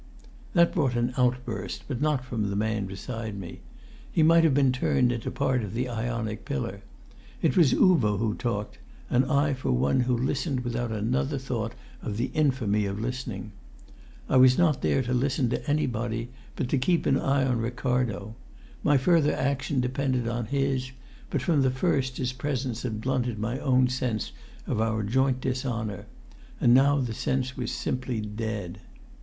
That brought an outburst, but not from the man beside me. He might have been turned into part of the Ionic pillar. It was Uvo who talked, and I for one who listened without another thought of the infamy of listening. I was not there to listen to anybody, but to keep an eye on Ricardo; my further action depended on his; but from the first his presence had blunted my own sense of our joint dishonour, and now the sense was simply dead.